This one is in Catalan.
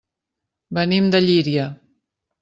Venim de Llíria.